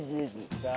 さあ